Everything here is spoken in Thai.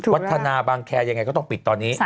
วัฒนาบางแคร์ยังไงก็ต้องปิดตอนนี้